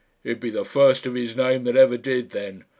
"He'd be the first of his name that ever did, then.